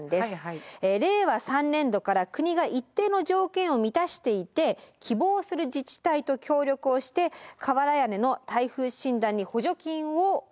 令和３年度から国が一定の条件を満たしていて希望する自治体と協力をして瓦屋根の耐風診断に補助金を出してきました。